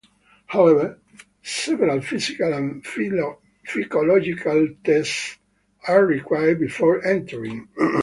However, several physical and psychological tests are required before entering.